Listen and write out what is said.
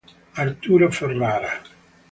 Arturo Ferrara